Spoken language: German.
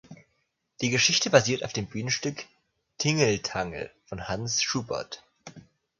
Die Geschichte basiert auf dem Bühnenstück „Tingeltangel“ von Hans Schubert.